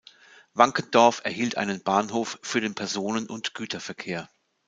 Wankendorf erhielt einen Bahnhof für den Personen- und Güterverkehr.